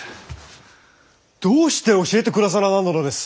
どうして教えて下さらなんだのです！？